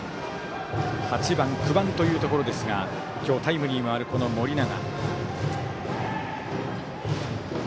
８番、９番というところですが今日、タイムリーのある盛永。